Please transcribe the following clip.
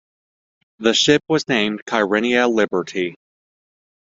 The ship was named "Kyrenia Liberty".